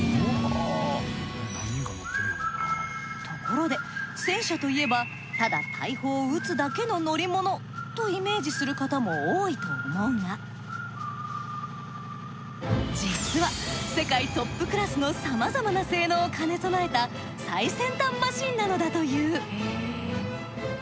ところで戦車といえばただ大砲を撃つだけの乗り物とイメージする方も多いと思うが実は世界トップクラスのさまざまな性能を兼ね備えた最先端マシンなのだという。